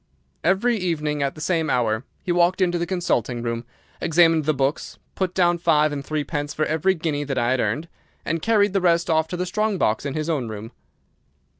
Every evening, at the same hour, he walked into the consulting room, examined the books, put down five and three pence for every guinea that I had earned, and carried the rest off to the strong box in his own room.